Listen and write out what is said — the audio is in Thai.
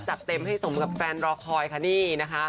จัดเต็มให้สมกับแฟนรอคอยค่ะนี่นะคะ